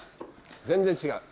全然違う。